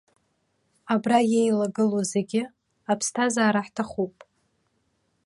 Абра иеилагылоу зегьы аԥсҭазаара ҳҭахуп.